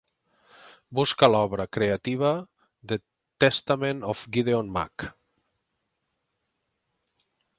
busca l'obra creativa The Testament of Gideon Mack